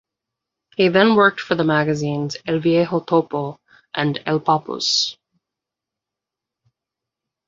He then worked for the magazines "El Viejo Topo" and "El Papus".